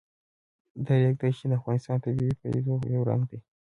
د ریګ دښتې د افغانستان د طبیعي پدیدو یو رنګ دی.